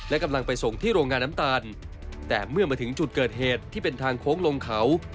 และกำลังไปส่งที่โรงงานน้ำตาลแต่เมื่อมาถึงจุดเกิดเหตุที่เป็นทางโค้งลงเขา